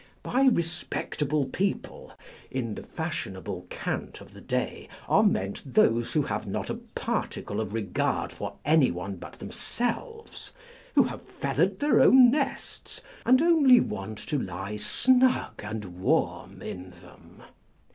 By respectable people (in the fashionable cant of the day) are meant those who have not a particle of regard for any one but themselves, who have feathered their own nests, and only want to lie snug and warm in them.